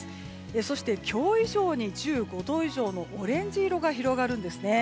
そして今日以上に１５度以上のオレンジ色が広がるんですね。